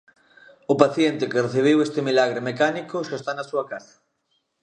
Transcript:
O paciente que recibiu este milagre mecánico xa está na súa casa.